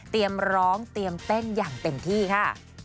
ร้องเตรียมเต้นอย่างเต็มที่ค่ะ